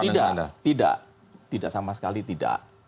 tidak tidak tidak sama sekali tidak